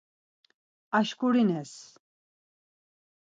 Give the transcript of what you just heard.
Aşǩurines.